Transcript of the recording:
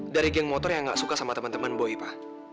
dari geng motor yang gak suka sama temen temen boy pa